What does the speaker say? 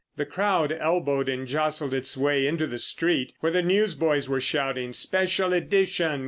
The crowd elbowed and jostled its way into the street, where the newsboys were shouting "Special edition!